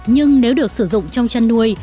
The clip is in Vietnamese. nhưng nếu được sử dụng trong chăn nuôi